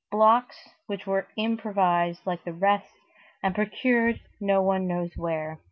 Blocks which were improvised like the rest and procured no one knows where.